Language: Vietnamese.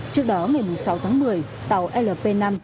trước đó ngày sáu tháng một mươi tàu lp năm xuất hiện